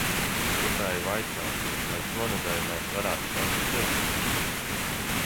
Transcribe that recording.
Gribēju vaicāt, vai šonedēļ mēs varētu satikties?